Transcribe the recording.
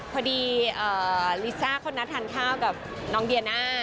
พอดีลิซ่าเขานัดทานข้าวกับน้องเดียน่า